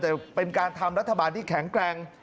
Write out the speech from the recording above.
แต่เป็นการทำรัฐบาลที่แข็งแกร่ง